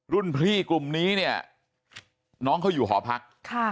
รุ่นพี่กลุ่มนี้เนี่ยน้องเขาอยู่หอพัก